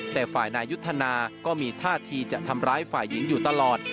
แต่ฝ่ายนายยุทธนาก็มีท่าทีจะทำร้ายฝ่ายหญิงอยู่ตลอด